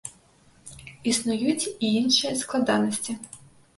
Існуюць і іншыя складанасці.